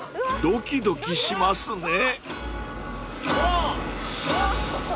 ［ドキドキしますね］